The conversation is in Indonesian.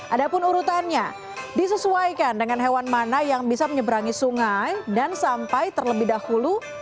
ada pun urutannya disesuaikan dengan hewan mana yang bisa menyeberangi sungai dan sampai terlebih dahulu